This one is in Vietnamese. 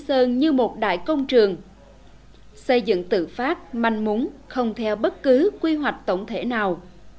lý sơn như một đại công trường sây dựng tự phát manh múng không theo bất cứ quy hoạch tổng thể nào